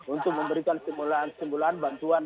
untuk memberikan simulan simulan